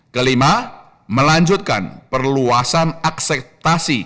kelima melanjutkan perluasan akseptasi